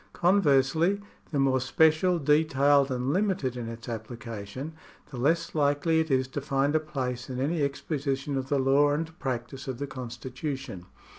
Conversely, the more special, detailed, and limited in its application, the less likely it is to find a place in any exposition of the law and practice of the constitution.